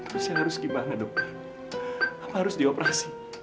terus saya harus gimana dokter apa harus dioperasi